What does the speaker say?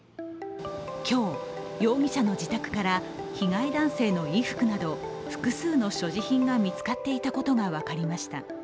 今日、容疑者の自宅から被害男性の衣服など複数の所持品が見つかっていたことが分かりました。